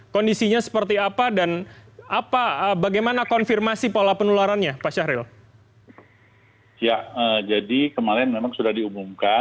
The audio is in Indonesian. kondisinya seperti apa dan apa bagaimana konfirmasi pola penularannya pak syahril